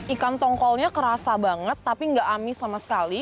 ikan tongkolnya kerasa banget tapi nggak amis sama sekali